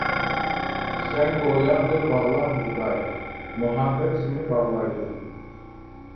سەن گويا بىر باغلام بۇغداي، مۇھەببەت سېنى باغلايدۇ.